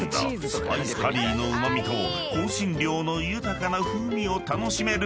スパイスカリーのうま味と香辛料の豊かな風味を楽しめる新商品］